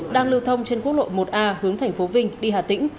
đang lưu thông trên quốc lộ một a hướng thành phố vinh đi hà tĩnh